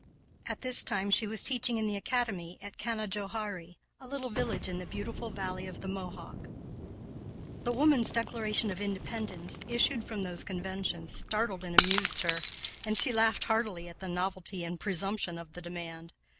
At this time she was teaching in the academy at Canajoharie, a little village in the beautiful valley of the Mohawk. "The Woman's Declaration of Independence" issued from those conventions startled and amused her, and she laughed heartily at the novelty and presumption of the demand.